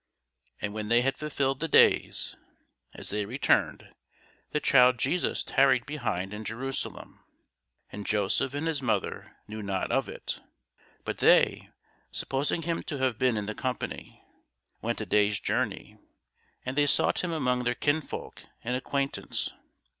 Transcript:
And when they had fulfilled the days, as they returned, the child Jesus tarried behind in Jerusalem; and Joseph and his mother knew not of it. But they, supposing him to have been in the company, went a day's journey; and they sought him among their kinsfolk and acquaintance.